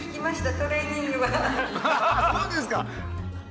ああそうですか。